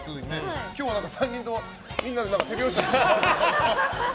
今日は３人ともみんなで手拍子して。